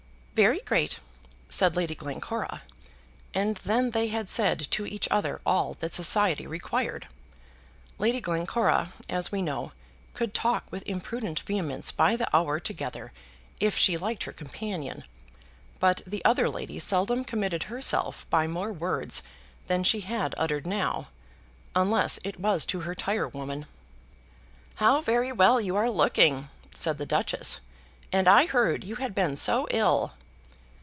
"Very great." said Lady Glencora, and then they had said to each other all that society required. Lady Glencora, as we know, could talk with imprudent vehemence by the hour together if she liked her companion; but the other lady seldom committed herself by more words than she had uttered now, unless it was to her tirewoman. "How very well you are looking," said the Duchess. "And I heard you had been so ill."